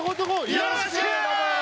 よろしく！